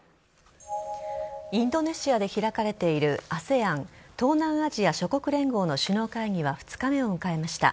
インドネシアで開かれているＡＳＥＡＮ＝東南アジア諸国連合の首脳会議は２日目を迎えました。